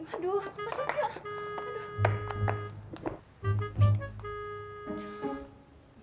aduh masuk yuk